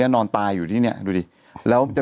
มีสารตั้งต้นเนี่ยคือยาเคเนี่ยใช่ไหมคะ